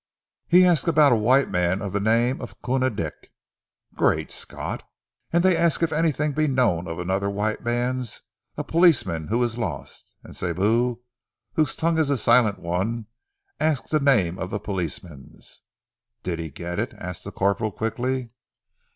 "hey ask about a white mans of ze name of Koona Dick!" "Great Scott!" "Also they ask if anything be known of anoder white mans a policemans who is lost, an' Sibou, whose tongue is a silent one, ask ze name of ze policemans." "Did he get it?" asked the corporal quickly.